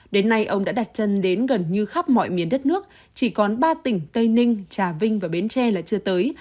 đến nay ông đã đặt chân đến gần như khắp mọi miền đất nước chỉ còn ba tỉnh tây ninh trà vinh và bến tre là chưa tới